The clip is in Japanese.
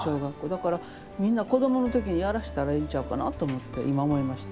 だからみんな子どもの時にやらしたらええんちゃうかなと思って今思いました。